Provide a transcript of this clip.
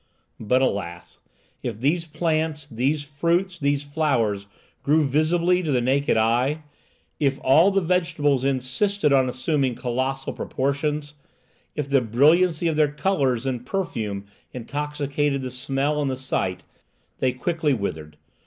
But alas! if these plants, these fruits, these flowers, grew visibly to the naked eye, if all the vegetables insisted on assuming colossal proportions, if the brilliancy of their colours and perfume intoxicated the smell and the sight, they quickly withered.